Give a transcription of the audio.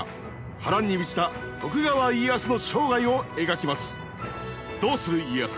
波乱に満ちた徳川家康の生涯を描きます。